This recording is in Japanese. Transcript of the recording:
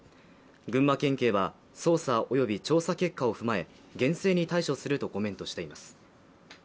群馬県警は捜査および調査結果を踏まえ厳正に対処するとコメントしています。